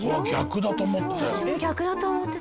私も逆だと思ってた。